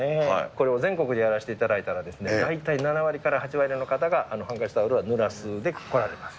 これを全国でやらしていただいたら、大体７割から８割の方はハンカチ、タオルはぬらすで来られます。